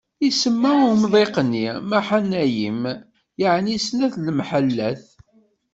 Isemma i umḍiq-nni Maḥanayim, yeɛni snat n lemḥallat.